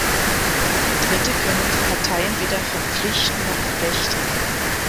Dritte können die Parteien weder verpflichten noch berechtigen.